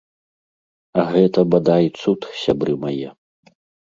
А гэта бадай цуд, сябры мае.